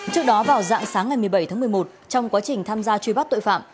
trước đó vào dạng sáng ngày một mươi bảy tháng một mươi một trong quá trình tham gia truy bắt tội phạm